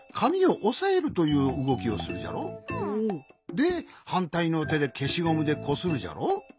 ではんたいのてでけしゴムでこするじゃろ？